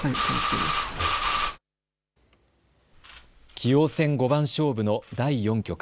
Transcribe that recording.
棋王戦五番勝負の第４局。